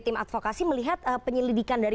tim advokasi melihat penyelidikan dari